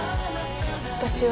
私は。